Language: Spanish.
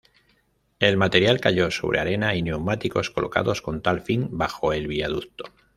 El material cayó sobre arena y neumáticos colocados con tal fin bajo el viaducto.